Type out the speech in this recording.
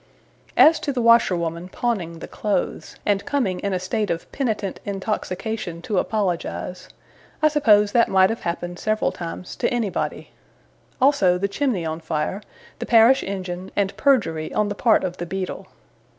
As to the washerwoman pawning the clothes, and coming in a state of penitent intoxication to apologize, I suppose that might have happened several times to anybody. Also the chimney on fire, the parish engine, and perjury on the part of the Beadle.